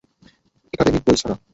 Academic বই ছাড়া।